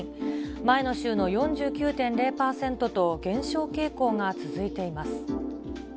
前の週の４９．０％と減少傾向が続いています。